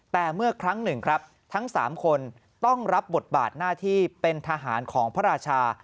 แต่เมื่อครั้งหนึ่งครับทั้ง๓คนต้องรับบทบาทหน้าที่เป็นทหารของพระราชา